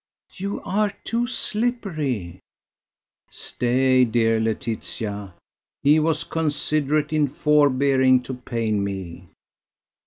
"You are too slippery." "Stay, dear Laetitia. He was considerate in forbearing to pain me."